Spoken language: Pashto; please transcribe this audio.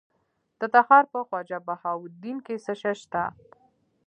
د تخار په خواجه بهاوالدین کې څه شی شته؟